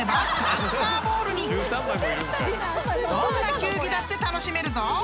［どんな球技だって楽しめるぞ］